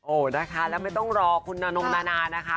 นะคะแล้วไม่ต้องรอคุณนานงนานานะคะ